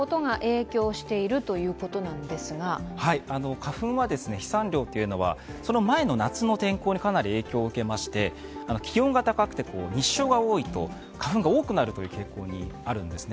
花粉は飛散量はその前の夏の天候にかなり影響を受けまして、気温が高くて日照が多いと、花粉が多くなる傾向にあるんですね。